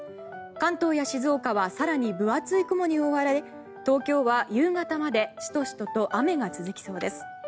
関東や静岡は更に分厚い雲に覆われ東京は夕方までシトシトと雨が続きそうです。